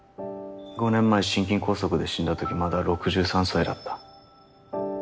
５年前心筋梗塞で死んだ時まだ６３歳だった。